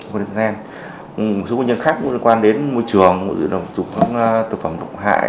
một số nguyên nhân khác liên quan đến môi trường tục phẩm độc hại